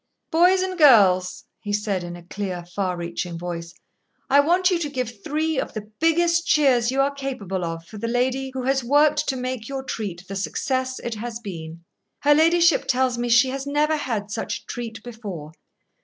"Boys and girls," he said in a clear, far reaching voice, "I want you to give three of the biggest cheers you are capable of for the lady who has worked to make your treat the success it has been. Her ladyship tells me she has never had such a treat before.